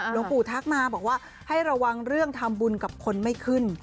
หลวงปู่ทักมาบอกว่าให้ระวังเรื่องทำบุญกับคนไม่ขึ้น